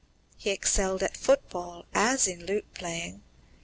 He excelled at football as in lute playing.